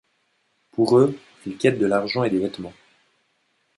Pour eux, il quête de l'argent et des vêtements.